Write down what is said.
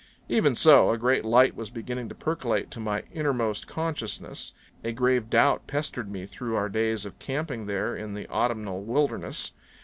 Even so, a great light was beginning to percolate to my innermost consciousness. A grave doubt pestered me through our days of camping there in the autumnal wilderness.